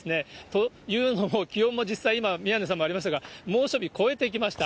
というのも、気温も今実際、宮根さんもありましたが、猛暑日超えてきました。